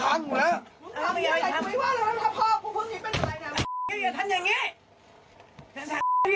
มึงพูดนี้เป็นอะไรนะอย่าทำยังงี้